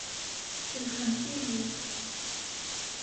Kellxent-iyi.